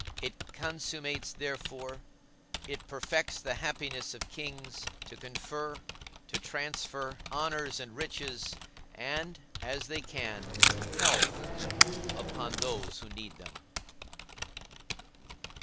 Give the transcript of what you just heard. It consummates therefore, it perfects the happiness of kings, to confer, to transfer, honour and riches, and (as they can) health, upon those that need them.